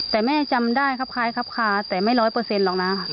แต่ไม่จำได้ครับใครครับค่ะแต่ไม่ร้อยเปอร์เซ็นต์หรอกนะค่ะ